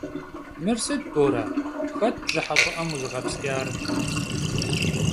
Mır sıt, Bore, xet bjıhe ş'ı'em vuzığepsç'ar?